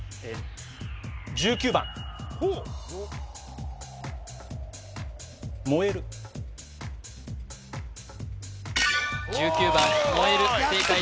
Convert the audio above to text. １９番もえる正解です